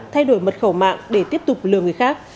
thay đổi mật khẩu mạng để tiếp tục lừa người khác